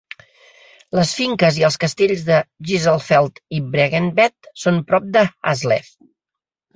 Les finques i els castells de Gisselfeld i Bregentved són prop de Haslev.